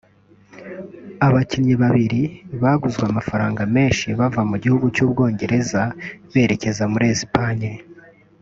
abakinnyi babiri baguzwe amafaranga menshi bava mu gihugu cy’u Bwongereza berekeza muri Espagne